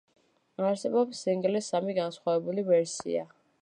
არსებობს სინგლის სამი განსხვავებული ვერსია.